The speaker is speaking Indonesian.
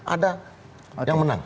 ada yang menang